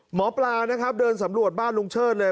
หมอปลานะครับเดินสำรวจบ้านลุงเชิดเลย